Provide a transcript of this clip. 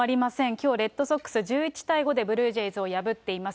きょうレッドソックス１１対５でブルージェイズを破っています。